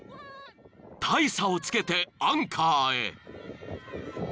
［大差をつけてアンカーへ］